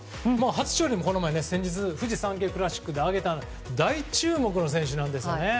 初勝利も先日フジサンケイクラシックで挙げた大注目の選手なんですね。